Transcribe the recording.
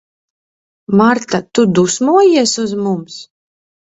Marta, tu dusmojies uz mums?